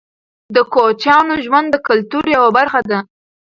د کوچیانو ژوند د کلتور یوه برخه ده.